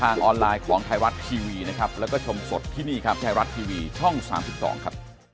วันนี้ดีใจที่ได้เจอครับพี่ดีใจที่ได้เจอด้วยกันครับ